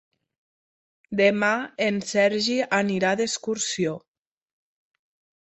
Demà en Sergi anirà d'excursió.